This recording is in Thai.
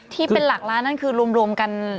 ที่เป็นหลักล้านนั่นคือรวมกัน